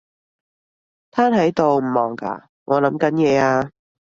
癱喺度唔忙㗎？我諗緊嘢呀